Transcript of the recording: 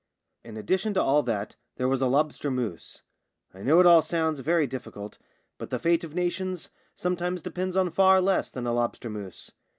In addition to all that there was a lobster mousse. I know it all sounds very difficult, but the fate of nations sometimes depends on far less than a lobster mousse.